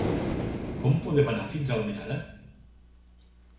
Com podem anar fins a Almenara?